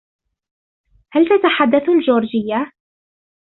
هل تتحدث الجورجية؟